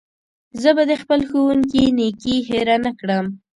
زه به د خپل ښوونکي نېکي هېره نه کړم.